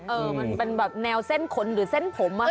เออมันเป็นแบบแนวเส้นขนหรือเส้นผมอะไร